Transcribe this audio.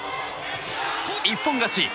一本勝ち。